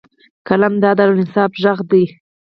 قلم د عدل او انصاف غږ دی